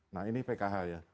nah ini pkh ya